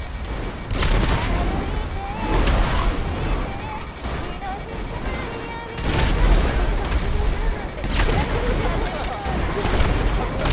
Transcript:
歩いて走って日の光浴びながら私がここで歌うなんて、駄目ですよ、安住さん！いやいや、よかったよ。